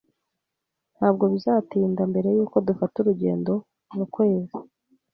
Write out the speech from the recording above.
Ntabwo bizatinda mbere yuko dufata urugendo mukwezi